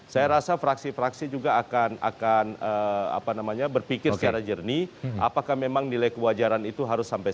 saya rasa fraksi fraksi juga akan berpikir secara jernih apakah memang nilai kewajaran itu harus sampai